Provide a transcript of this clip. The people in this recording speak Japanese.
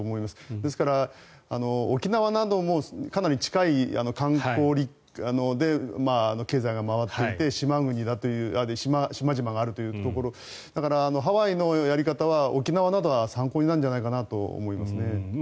ですから、沖縄などもかなり近い観光で経済が回っていて島々があるというところでだから、ハワイのやり方は沖縄などは参考になるんじゃないかなと思います。